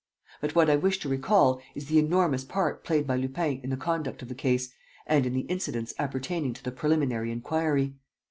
But what I wish to recall is the enormous part played by Lupin in the conduct of the case and in the incidents appertaining to the preliminary inquiry.